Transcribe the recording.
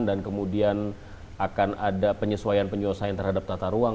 dan kemudian akan ada penyesuaian penyelesaian terhadap tata ruang